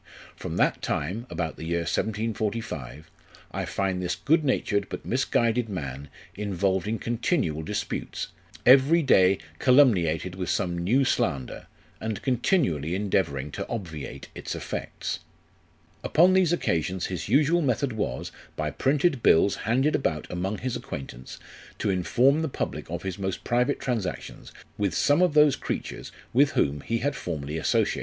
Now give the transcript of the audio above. From that time (about the year 1745) I find this good natured but misguided man involved in continual disputes, every day calumniated with some new slander, and continually endeavouring to obviate its effects. Upon these occasions his usual method was, by printed bills handed about among his acquaintance, to inform the public of his most private transac tions with some of those creatures with whom he had formerly associated ; VOL.